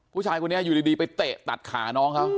ผู้ชายคนนี้อยู่ดีไปเตะตัดขาน้องเขา